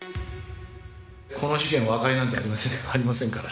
この事件は和解なんてありませんから。